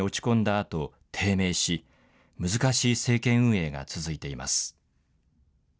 あと低迷し難しい政権運営が続いています。